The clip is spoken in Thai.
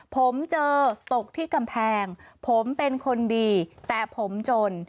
ผมเจอตกที่กำแพงผมเป็นคนดีแต่ผมจน